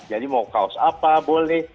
jadi mau kaos apa boleh